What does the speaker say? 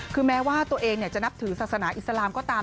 คือแม้ว่าตัวเองจะนับถือศาสนาอิสลามก็ตาม